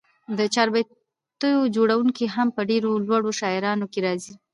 د چاربیتو جوړوونکي هم په ډېرو لوړو شاعرانو کښي راځي.